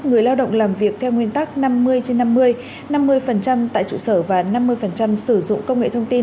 người lao động làm việc theo nguyên tắc năm mươi trên năm mươi năm mươi tại trụ sở và năm mươi sử dụng công nghệ thông tin